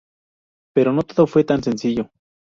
Pero no todo fue tan sencillo.